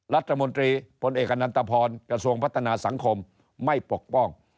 รัฐมนตรีพลเอกอนันตพรกระทรวงพัฒนาสังคมไม่ปกป้อง